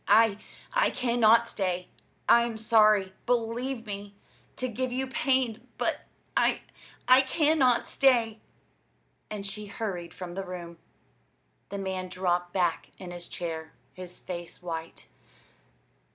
"I I cannot stay. I am sorry, believe me, to give you pain; but I I cannot stay!" And she hurried from the room. The man dropped back in his chair, his face white.